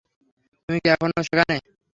তুমি কি এখনও সেখানে?